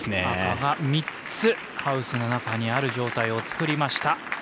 赤が３つ、ハウスの中にある状態を作りました。